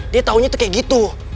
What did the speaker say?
dia taunya tuh kayak gitu